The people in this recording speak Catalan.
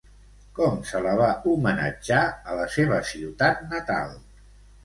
Com se la va homenatjar a la seva ciutat natal?